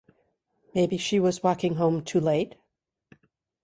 Maybe she was walking home too late?